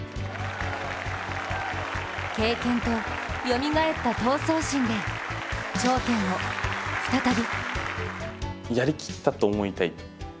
経験と、よみがえった闘争心で頂点を再び。